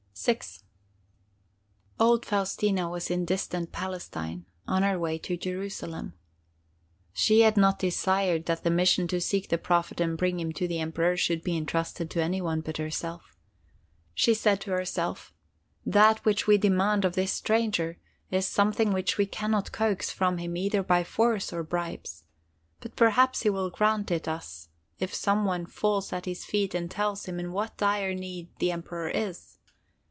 VI Old Faustina was in distant Palestine, on her way to Jerusalem. She had not desired that the mission to seek the Prophet and bring him to the Emperor should be intrusted to any one but herself. She said to herself: "That which we demand of this stranger, is something which we can not coax from him either by force or bribes. But perhaps he will grant it us if some one falls at his feet and tells him in what dire need the Emperor is.